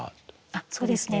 あっそうですね